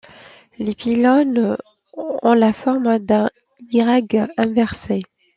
Les pylônes ont la forme d'un Y inversé.